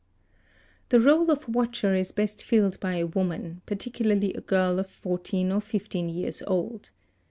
The role of watcher is best filled by a woman, particularly a girl of 14 or 15 years old.